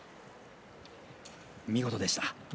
見事でした。